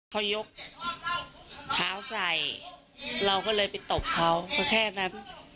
เขายกเท้าใส่เราก็เลยไปตบเขาก็แค่นั้น